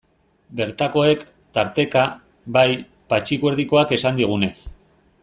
Bertakoek, tarteka, bai, Patxiku Erdikoak esan digunez.